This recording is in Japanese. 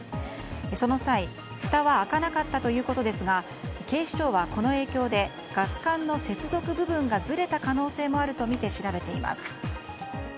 その際、ふたは開かなかったということですが警視庁は、この影響でガス管の接続部分がずれた可能性もあるとみて調べています。